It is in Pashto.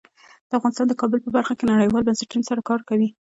افغانستان د کابل په برخه کې نړیوالو بنسټونو سره کار کوي.